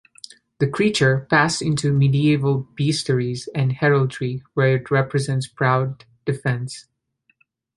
The creature passed into medieval bestiaries and heraldry, where it represents proud defence.